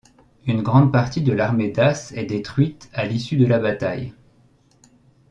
Une grande partie de l’armée dace est détruite à l’issue de la bataille.